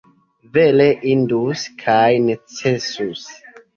Vere indus kaj necesus!